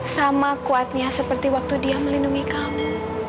sama kuatnya seperti waktu dia melindungi kamu